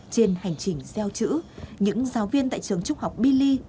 trên hành trình gieo chữ những giáo viên tại trường trúc học billy